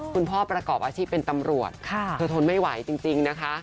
ประกอบอาชีพเป็นตำรวจเธอทนไม่ไหวจริงนะคะ